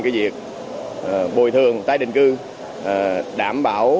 cái việc bồi thường tái định cư đảm bảo